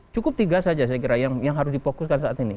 cukup tiga saja segera yang harus dipokuskan saat ini